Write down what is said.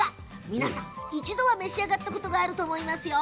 皆さん一度は召し上がったことがあると思いますよ。